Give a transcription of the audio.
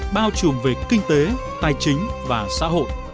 bao trùm về kinh tế tài chính và xã hội